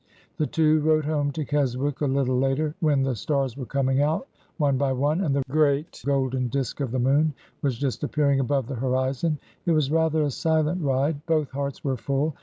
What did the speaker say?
The two rode home to Keswick a little later, when the stars were coming out, one by one, and the great golden disk of the moon was just appearing above the horizon. It was rather a silent ride. Both hearts were full.